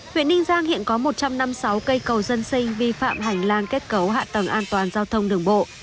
huyện ninh giang hiện có một trăm năm mươi sáu cây cầu dân sinh vi phạm hành lang kết cấu hạ tầng an toàn giao thông đường bộ